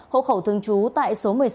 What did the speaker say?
hộ khẩu thường trú tại số một mươi sáu